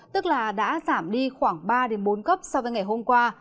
tức là đã giảm đi khoảng ba bốn cấp so với ngày hôm qua